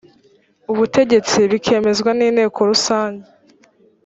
ubutegetsi bikemezwa n inteko rusange